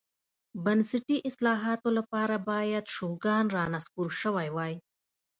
بنسټي اصلاحاتو لپاره باید شوګان رانسکور شوی وای.